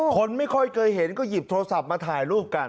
คนไม่ค่อยเคยเห็นก็หยิบโทรศัพท์มาถ่ายรูปกัน